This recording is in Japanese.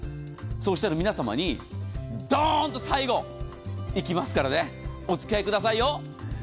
そうおっしゃる皆さまにドンと最後いきますからねお付き合いくださいよ。